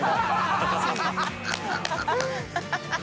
ハハハ